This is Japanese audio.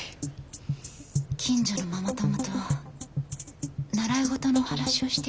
近所のママ友と習い事の話をしていた時に。